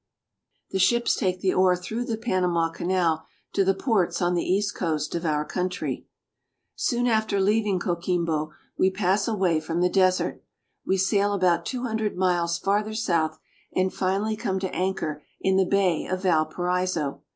The ships take the ore through the Panama Canal to the ports on the east coast of our country. Soon after leaving Coquimbo we pass away from the desert. We sail about two hundred miles further south and finally come to anchor in the Bay of Valparaiso.